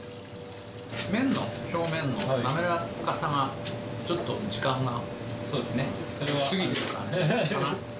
麺の表面の滑らかさが、ちょっと時間が、過ぎてる感じかな。